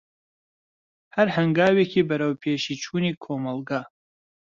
هەر هەنگاوێکی بەروەپێشی چوونی کۆمەلگا.